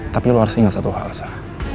tapi lu harus inget satu hal sah